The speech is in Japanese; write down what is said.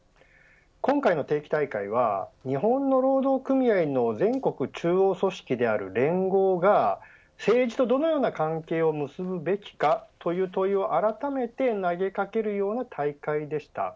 今回の定期大会は日本の労働組合の全国中央組織である連合が政治とどのような関係を結ぶべきかという問いをあらためて投げかけるような大会でした。